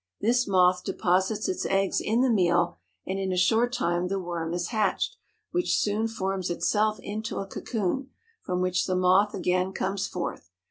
This moth deposits its eggs in the meal, and in a short time the worm is hatched, which soon forms itself into a cocoon, from which the moth again comes forth.